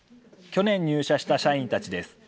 去年入社した社員たちです。